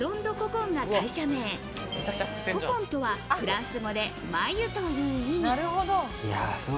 ココンとはフランス語で繭という意味。